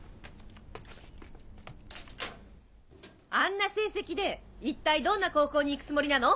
あんな成績で一体どんな高校に行くつもりなの！